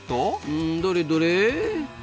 うんどれどれ？